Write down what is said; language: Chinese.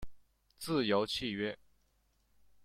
自由契约。